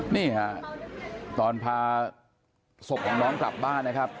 นี่ฮะตอนพาศพของน้องกลับบ้านนะครับ